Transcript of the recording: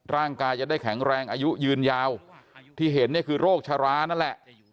ร่างกายจะได้แข็งแรงอายุยืนยาวที่เห็นเนี่ยคือโรคชะลานั่นแหละ